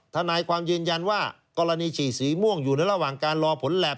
ทนายความยืนยันว่ากรณีฉี่สีม่วงอยู่ในระหว่างการรอผลแล็บ